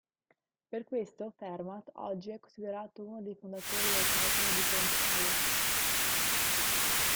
Per questo Fermat oggi è considerato uno dei fondatori del calcolo differenziale.